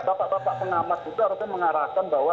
pak pengamat itu harus mengarahkan bahwa